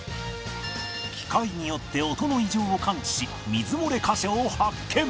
機械によって音の異常を感知し水漏れ箇所を発見